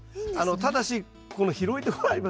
ただしこの広いとこありますね。